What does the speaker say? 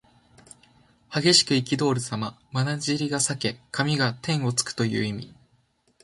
激しくいきどおるさま。まなじりが裂け髪が天をつくという意味。